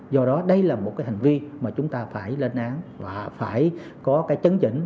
do đó đây là một cái hành vi mà chúng ta phải lên án và phải có cái chấn chỉnh